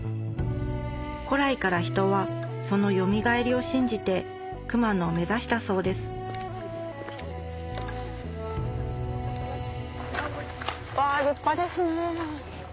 古来から人はその黄泉がえりを信じて熊野を目指したそうですわ立派ですねぇ。